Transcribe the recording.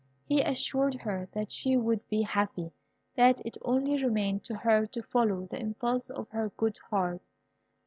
He assured her that she would be happy; that it only remained to her to follow the impulse of her good heart.